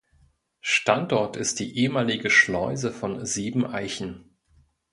Standort ist die ehemalige Schleuse von Siebeneichen.